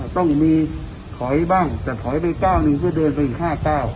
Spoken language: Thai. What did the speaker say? ต้องมีถอยบ้างแต่ถอยให้ไปละกล้าวนึงเพื่อเดินไปอีกห้าเก้า